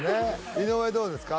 井上どうですか？